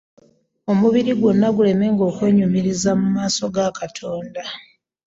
Omubiri gwonna gulemenga okwenyu miriza mu maaso ga Katonda.